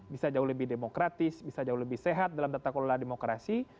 bisa jauh lebih demokratis bisa jauh lebih sehat dalam tata kelola demokrasi